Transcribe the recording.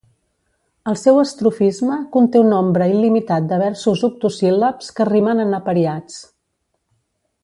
El seu estrofisme conté un nombre il·limitat de versos octosíl·labs que rimen en apariats.